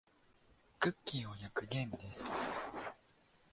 クッキーを焼くゲームです。